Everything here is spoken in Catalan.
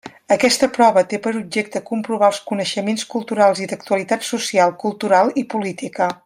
Aquesta prova té per objecte comprovar els coneixements culturals i d'actualitat social, cultural i política.